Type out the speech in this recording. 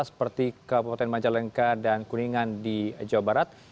seperti kabupaten majalengka dan kuningan di jawa barat